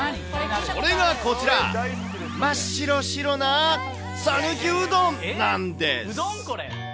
それがこちら、真っ白白な讃岐うどんなんです。